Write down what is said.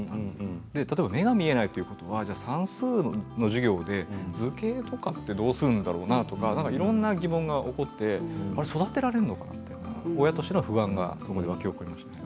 例えば目が見えないということは算数の授業で図形とかってどうするんだろうなとかいろんな疑問が起こって育てられるのかなって親としての不安がありました。